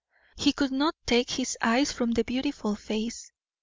He could not take him eyes from the beautiful face.